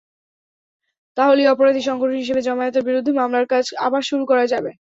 তাহলেই অপরাধী সংগঠন হিসেবে জামায়াতের বিরুদ্ধে মামলার কাজ আবার শুরু করা যাবে।